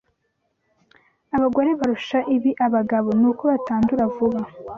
Abagore barusha ibi abagabo nuko batandura vuba.